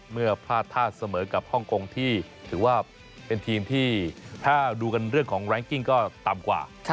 เมื่อพลาดท่าเสมอกับฮ่องกงที่ถือว่าเป็นทีมที่ถ้าดูกันเรื่องของแรงกิ้งก็ต่ำกว่า